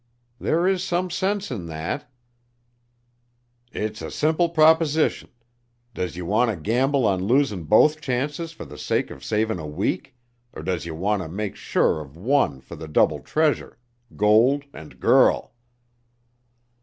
"There is some sense in that." "It's a simple proposition; does ye want ter gamble on losin' both chances fer th' sake of savin' a week, or does yer wanter make sure of one fer the double treasure gold and girl?"